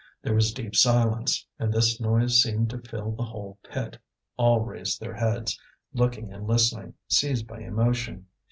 There was deep silence, and this noise seemed to fill the whole pit; all raised their heads, looking and listening, seized by emotion.